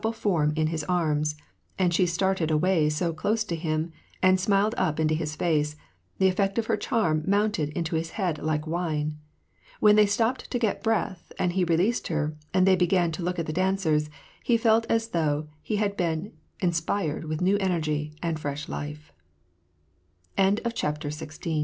pie form in his arms, and she started awaj so close to him, and smiled up into his face, the effect of her charm mounted into his head like wine ; when they stopped to get breath, and he released her, and they began to look at the dancers, he felt as though he had been in